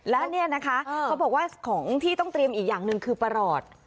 และเนี่ยนะคะเขาบอกว่าของที่ต้องเตรียมอีกอย่างหนึ่งคือประหลอด